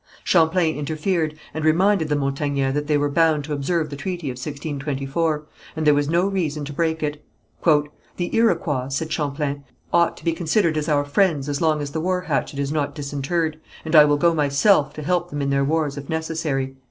Champlain interfered, and reminded the Montagnais that they were bound to observe the treaty of 1624, and there was no reason to break it. "The Iroquois," said Champlain, "ought to be considered as our friends as long as the war hatchet is not disinterred, and I will go myself to help them in their wars, if necessary."